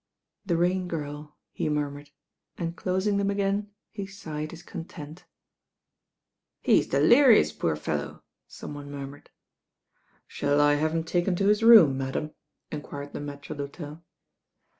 "The Rain Girl," he murmured and» closing them again, he sighed his content. "He's delirious, poor fellow," some one mur mured. "Shall I have him taken to his room, madam?" enquired the maitre tFhotel.